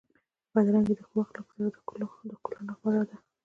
بدرنګي د ښو اخلاقو سره د ښکلا نه غوره ده.